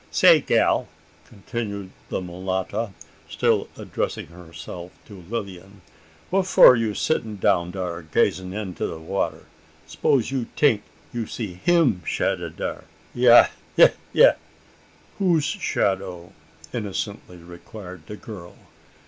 "Say, gal!" continued the mulatta, still addressing herself to Lilian, "wha for you sittin' down dar, gazin' into da water? S'pose you tink you see him shadda dar? Yah, yah, yah!" "Whose shadow?" innocently inquired the girl.